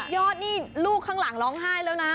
ยอดนี่ลูกข้างหลังร้องไห้แล้วนะ